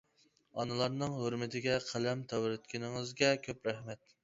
ئانىلارنىڭ ھۆرمىتىگە قەلەم تەۋرەتكىنىڭىزگە كۆپ رەھمەت.